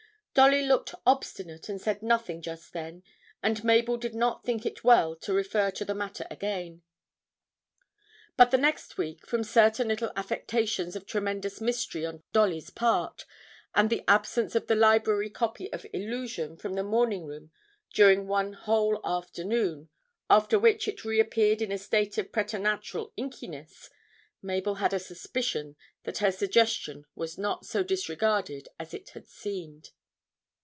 Dolly looked obstinate and said nothing just then, and Mabel did not think it well to refer to the matter again. But the next week, from certain little affectations of tremendous mystery on Dolly's part, and the absence of the library copy of 'Illusion' from the morning room during one whole afternoon, after which it reappeared in a state of preternatural inkiness, Mabel had a suspicion that her suggestion was not so disregarded as it had seemed.